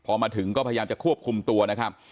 พอมาถึงก็พยายามจะควบคุมตัวนะครับ